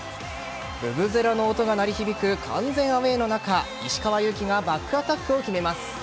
ブブゼラの音が鳴り響く完全アウェーの中石川祐希がバックアタックを決めます。